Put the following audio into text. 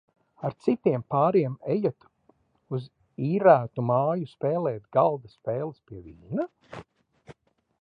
Ar citiem pāriem ejat uz īrētu māju spēlēt galda spēles pie vīna?